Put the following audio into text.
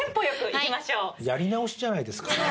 やり直しじゃないですか。